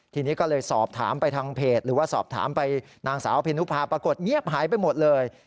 ทีนี้ก็เลยสอบถามไปทางเพจหรือว่าสอบถามไปนางสาวเพนุพาปรากฏเงียบหายไปหมดเลย